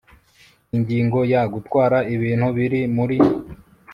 Ingingo ya Gutwara ibintu biri muri